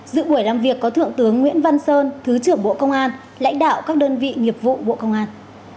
có thượng tướng nguyễn văn sơn thứ trưởng bộ công an lãnh đạo các đơn vị nghiệp vụ bộ công an